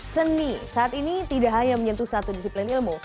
seni saat ini tidak hanya menyentuh satu disiplin ilmu